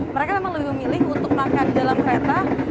mereka memang lebih memilih untuk makan di dalam kereta